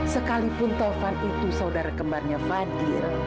sekalipun taufan itu saudara kembarnya fadil